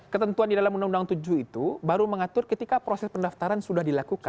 ketentuan di dalam undang undang tujuh itu baru mengatur ketika proses pendaftaran sudah dilakukan